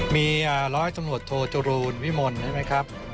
มีร้อยตำรวจโทจรูลวิมลใช่ไหมครับ